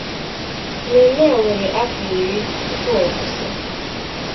Mmemme a were afọ iri tupu ọ kwụsị.